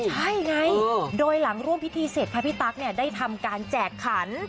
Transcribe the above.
ใช่ไงโดยหลังร่วมพิธีเสร็จพระพี่ตั๊กได้ทำการแจกขัน